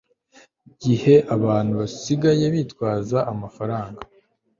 gihe abantu basigaye bitwaza amafaranga